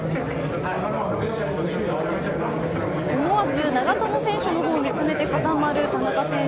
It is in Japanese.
思わず長友選手のほうを見つめて固まる田中選手。